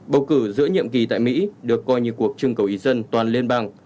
bầu cử giữa nhiệm kỳ tại mỹ được coi như cuộc trưng cầu ý dân toàn liên bang